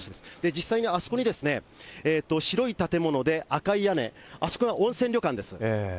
実際にあそこに白い建物で赤い屋根、あそこが温泉旅館です。